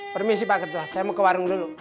permisi pak ketua saya mau ke warung dulu